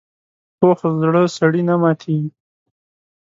پوخ زړه سړي نه ماتېږي